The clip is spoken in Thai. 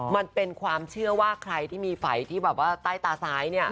มันเป็นความเชื่อว่าใครที่มีไฟที่ใต้ตาซ้าย